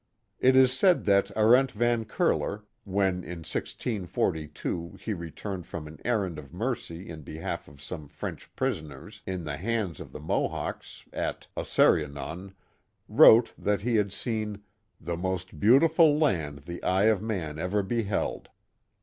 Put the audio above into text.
It is said that Arent Van Curler, when in 1642 he returned from an errand of mercy in behalf of some French prisoners in the hands of the Mohawks at Osseruenon, wrote that he had seen the most beautiful land the eye of man ever beheld."